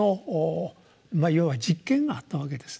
あ要は「実験」があったわけですね。